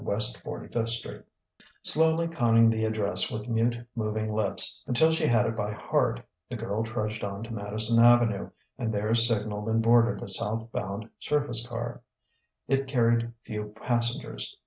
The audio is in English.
45 St." Slowly conning the address with mute, moving lips, until she had it by heart, the girl trudged on to Madison Avenue and there signalled and boarded a southbound surface car. It carried few passengers.